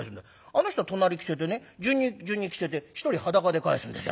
「あの人隣着せてね順に着せて一人裸で帰すんですよ」。